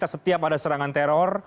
setiap ada serangan teror